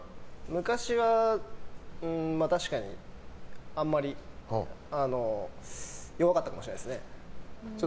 昔は、確かにあんまり弱かったかもしれないですね。